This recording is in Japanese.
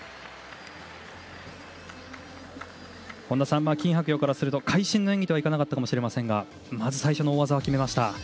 本田さん金博洋からすると会心の演技とはいかなかったかもしれませんがまず最初の大技は決めました。